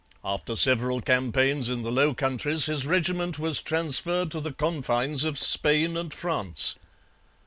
After several campaigns in the Low Countries his regiment was transferred to the confines of Spain and France.